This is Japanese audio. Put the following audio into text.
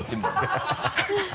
ハハハ